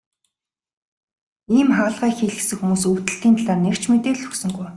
Ийм хагалгаа хийлгэсэн хүмүүс өвдөлтийн талаар нэг ч мэдээлэл өгсөнгүй.